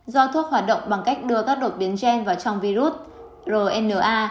do thuốc hoạt động bằng cách đưa các đột biến gen vào trong virus rna